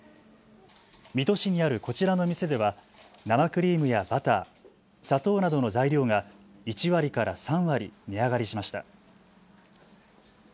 水戸市にあるこちらの店では生クリームやバター、砂糖などの材料が１割から３割値上がりしました。